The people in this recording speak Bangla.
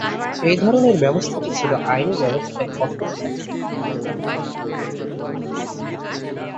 এই ধরনের ব্যবস্থাটি ছিল আইনি ব্যবস্থায় কঠোর শাস্তি।